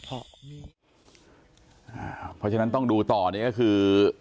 เพราะฉะนั้นต้องดูต่อนี่ก็คือ